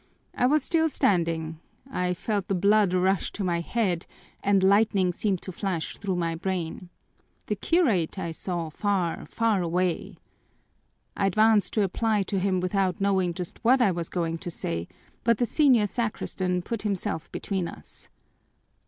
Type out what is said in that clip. I was still standing I felt the blood rush to my head and lightning seemed to flash through my brain. The curate I saw far, far away. I advanced to reply to him without knowing just what I was going to say, but the senior sacristan put himself between us.